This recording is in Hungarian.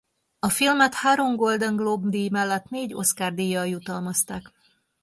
A filmet három Golden Globe-díj mellett négy Oscar-díjjal jutalmazták.